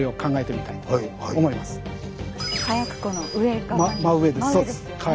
火薬庫の上から。